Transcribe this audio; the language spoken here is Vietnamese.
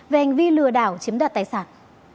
về hành vi lừa đảo chiếm đạt tài sản